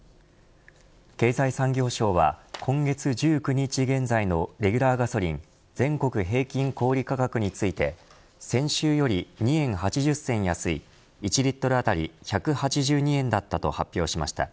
経済産業省は今月１９日現在のレギュラーガソリン全国平均小売り価格について先週より２円８０銭安い１リットル当たり１８２円だったと発表しました。